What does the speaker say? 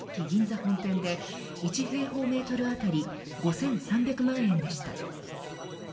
銀座本店で１平方メートルあたり５３００万円でした。